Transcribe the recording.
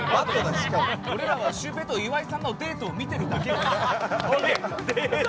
俺らはシュウペイと岩井さんのデートを見てるだけ。